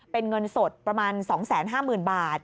เป็นเงินสดประมาณ๒๕๐๐๐บาท